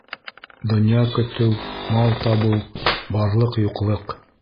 Донъя көтөү, мал табыу, барлыҡ-юҡлыҡ